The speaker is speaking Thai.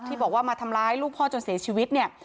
บอกว่ามาทำร้ายลูกพ่อจนเสียชีวิตเนี่ย